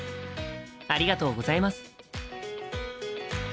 ありがとうございます。